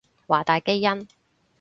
華大基因